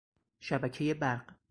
شبکهی برق